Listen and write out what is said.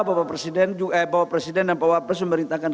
pak presiden dan pak wapres memberitakan